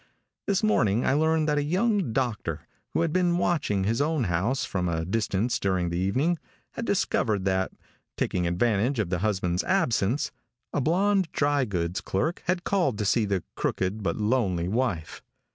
This morning I learned that a young doctor, who had been watching his own house from a distance during the evening, had discovered that, taking advantage of the husband's absence, a blonde dry goods clerk had called to see the crooked but lonely wife.